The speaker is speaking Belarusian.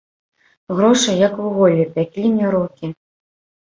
Грошы, як вуголлі, пяклі мне рукі.